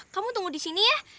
kamu tunggu di sini ya